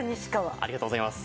ありがとうございます。